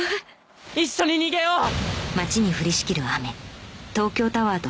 一緒に逃げよう！